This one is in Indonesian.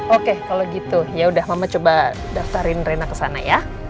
oke kalau gitu yaudah mama coba daftarin rena kesana ya